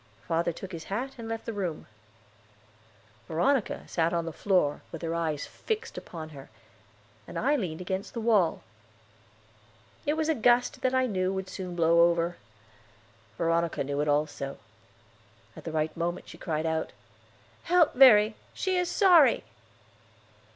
Father took his hat and left the room. Veronica sat down on the floor, with her eyes fixed upon her, and I leaned against the wall. It was a gust that I knew would soon blow over. Veronica knew it also. At the right moment she cried out: "Help Verry, she is sorry."